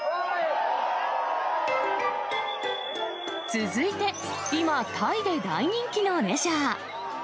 続いて、今、タイで大人気のレジャー。